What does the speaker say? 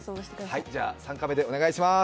じゃ、３カメでお願いします。